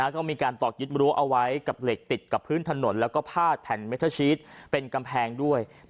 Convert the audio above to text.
ก็มีการตอกยึดรั้วเอาไว้กับเหล็กติดกับพื้นถนนแล้วก็พาดแผ่นเมทเทอร์ชีสเป็นกำแพงด้วย